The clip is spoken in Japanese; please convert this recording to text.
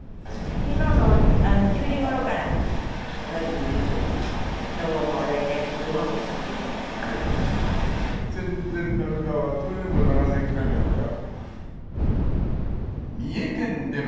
きのうの１０時ごろから、大変です。